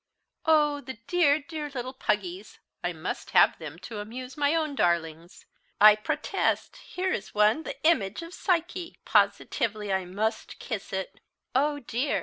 "Oh, the dear, dear little puggies! I must have them to amuse my own darlings. I protest here is one the image of Psyche; positively I must kiss it!" "Oh dear!